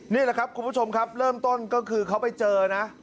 นี่แหละครับคุณผู้ชมครับเริ่มต้นก็คือเขาไปเจอนะ